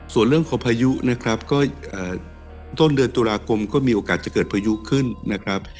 ส่วนเรื่องของพายุนะครับก็ต้นเดือนตุลาคมก็มีโอกาสจะเกิดพายุขึ้นนะครับ